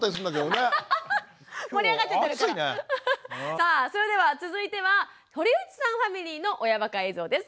さあそれでは続いては堀内さんファミリーの親バカ映像です。